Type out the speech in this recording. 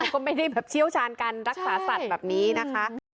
ก็ไม่ได้แบบเชี่ยวชาญการรักษาสัตว์แบบนี้นะคะ